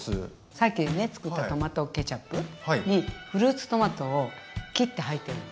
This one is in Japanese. さっきねつくったトマトケチャップにフルーツトマトを切って入ってるの。